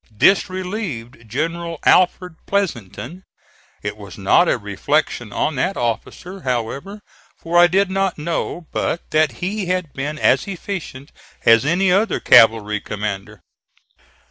This relieved General Alfred Pleasonton. It was not a reflection on that officer, however, for I did not know but that he had been as efficient as any other cavalry commander.